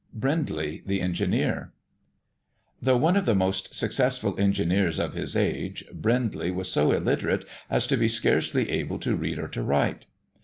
BRINDLEY, THE ENGINEER. Though one of the most successful engineers of his age, Brindley was so illiterate as to be scarcely able to read or to write.